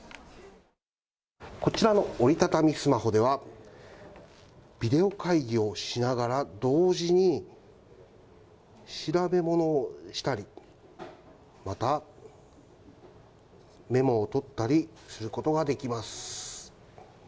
こちらの折り畳みスマホでは、ビデオ会議をしながら、同時に、調べものをしたり、またメモを取ったりすることができます。